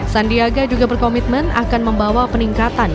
sandiaga juga berkomitmen akan membawa peningkatan